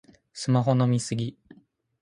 スマホの見過ぎ